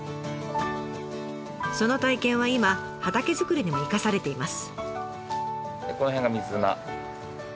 その体験は今畑作りにも生かされています。